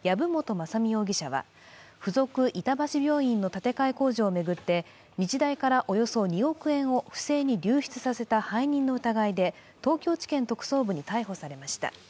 雅巳容疑者は附属板橋病院の建て替え工事を巡って、日大からおよそ２億円を不正に流出させた背任の疑いで逮捕されました。